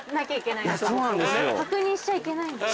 確認しちゃいけないんだ。